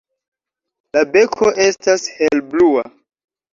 La beko estas helblua.